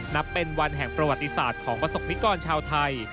นับเป็นวันแห่งประวัติศาสตร์ของประสบนิกรชาวไทย